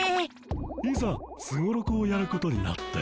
いざすごろくをやることになって。